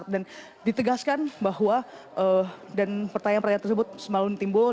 dan ditegaskan bahwa dan pertanyaan pertanyaan tersebut semalu ditimbul